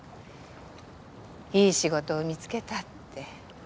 いい仕事を見つけたって。